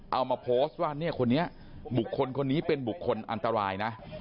เอามาโพสต์ว่าเนี่ยคนนี้บุคคลคนนี้เป็นบุคคลอันตรายนะ